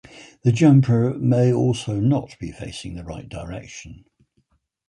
The jumper may also not be facing the right direction.